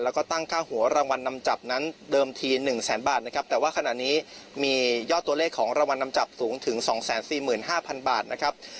แล้วก็ตั้งค่าหัวรางวัลนำจับนั้นเดิมที๑แสนบาทนะครับแต่ว่าขณะนี้มียอดตัวเลขของรางวัลนำจับสูงถึง๒๔๕๐๐บาทนะครับ